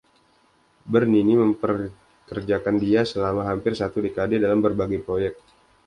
Bernini mempekerjakan dia selama hampir satu dekade dalam berbagai proyek.